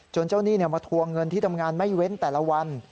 เจ้าหนี้มาทวงเงินที่ทำงานไม่เว้นแต่ละวัน